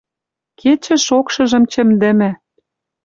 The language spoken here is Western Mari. Кечӹ шокшыжым чӹмдӹмӹ